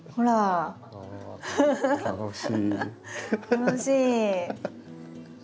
楽しい！